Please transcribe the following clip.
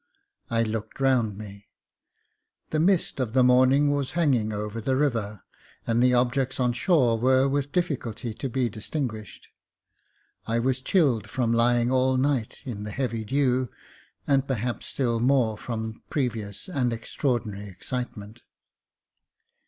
I looked around me — the mist of the morning was hanging over the river, and the objects on shore were with difficulty to be distinguished. I was chilled from lying all night in the heavy dew, and perhaps still more from previous and extraordinary excitement.